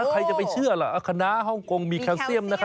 ใครจะไปเชื่อล่ะคณะฮ่องกงมีแคลเซียมนะคะ